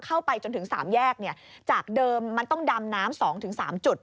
เข้าไปจนถึง๓แยกจากเดิมมันต้องดำน้ำ๒๓จุด